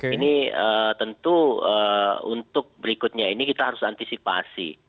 ini tentu untuk berikutnya ini kita harus antisipasi